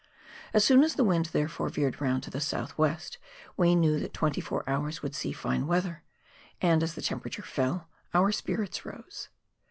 As soon as the wind, therefore, veered round to the south west we knew that twenty four hours would see fine weather, and, as the temperature fell, our spirits rose.